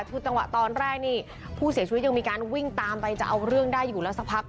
คือจังหวะตอนแรกนี่ผู้เสียชีวิตยังมีการวิ่งตามไปจะเอาเรื่องได้อยู่แล้วสักพัก